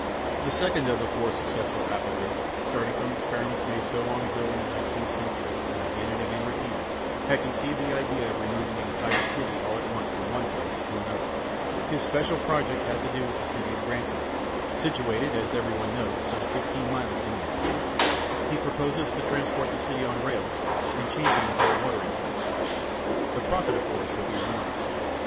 The second of the four successful applicants, starting from experiments made so long ago as the nineteenth century and again and again repeated, had conceived the idea of removing an entire city all at once from one place to another. His special project had to do with the city of Granton, situated, as everybody knows, some fifteen miles inland. He proposes to transport the city on rails and to change it into a watering place. The profit, of course, would be enormous.